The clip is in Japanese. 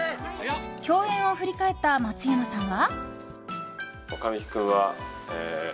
共演を振り返った松山さんは。